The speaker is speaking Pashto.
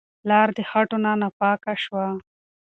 لار د خټو نه پاکه شوه.